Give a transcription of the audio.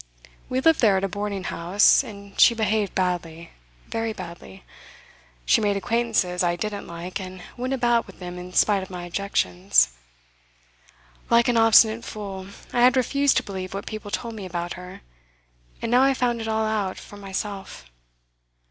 We lived there at a boardinghouse, and she behaved badly, very badly. She made acquaintances I didn't like, and went about with them in spite of my objections. Like an obstinate fool, I had refused to believe what people told me about her, and now I found it all out for myself.